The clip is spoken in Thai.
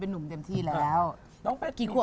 เป็นหนุ่มเต็มที่แล้ว